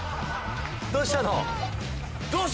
どうしたの？